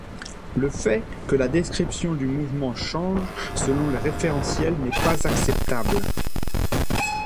Le fait que la description du mouvement change selon le référentiel n'est pas acceptable.